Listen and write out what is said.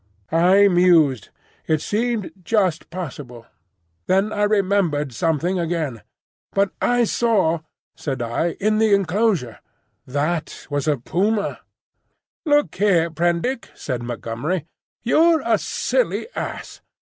I mused. It seemed just possible. Then I remembered something again. "But I saw," said I, "in the enclosure—" "That was the puma." "Look here, Prendick," said Montgomery, "you're a silly ass!